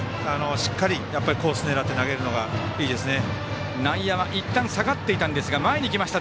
しっかりコース狙って投げるのがいいですね。